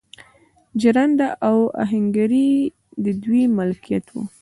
ژرنده او اهنګري د دوی ملکیت و.